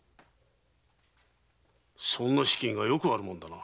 そんな資金がよくあるものだな。